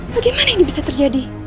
bagaimana ini bisa terjadi